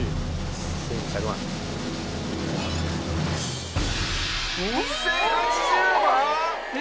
「２２００万」２０８０万！？